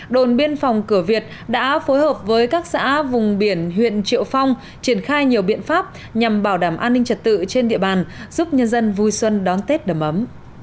đồn biên phòng cửa việt đã phối hợp với các xã vùng biển huyện triệu phong triển khai nhiều biện pháp nhằm bảo đảm an ninh trật tự trên địa bàn giúp nhân dân vui xuân đón tết đầm ấm